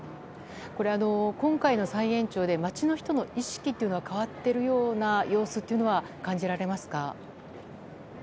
今回の再延長で街の人の意識というのは変わっているような様子は感じられますか？